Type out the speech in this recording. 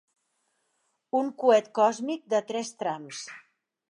Un coet còsmic de tres trams.